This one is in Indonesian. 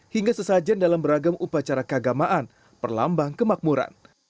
hingga sesajen dalam beragam upacara keagamaan perlambang kemakmuran